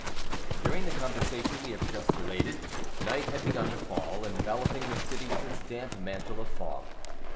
During the conversation we have just related, night had begun to fall, enveloping the city with its damp mantle of fog.